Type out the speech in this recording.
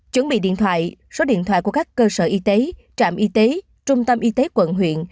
chuẩn bị điện thoại số điện thoại của các cơ sở y tế trạm y tế trung tâm y tế quận huyện